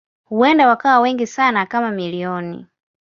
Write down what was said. Huenda wakawa wengi sana kama milioni.